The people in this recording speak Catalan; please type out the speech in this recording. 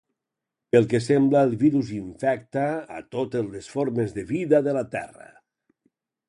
Pel que sembla el virus infecta a totes les formes de vida de la terra.